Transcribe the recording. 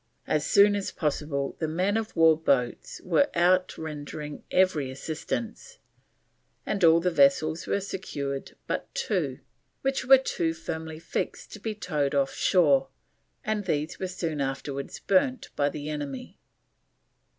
As soon as possible the men of war boats were out rendering every assistance, and all the vessels were secured but two, which were too firmly fixed to be towed off shore, and these were soon afterwards burnt by the enemy.